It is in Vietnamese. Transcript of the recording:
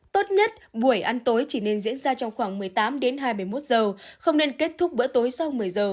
tốt nhất buổi ăn tối chỉ nên diễn ra trong khoảng một mươi tám hai mươi một giờ không nên kết thúc bữa tối sau một mươi giờ